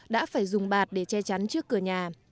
đã phải dùng bạt để che chắn trước cửa nhà